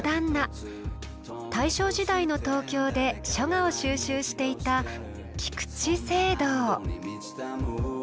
大正時代の東京で書画を収集していた菊池惺堂。